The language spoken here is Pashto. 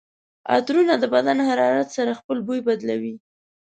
عطرونه د بدن حرارت سره خپل بوی بدلوي.